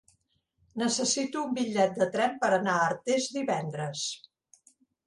Necessito un bitllet de tren per anar a Artés divendres.